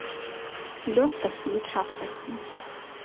Лёс такі і час такі.